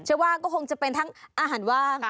เชื่อว่าก็คงจะเป็นทั้งอาหารว่าง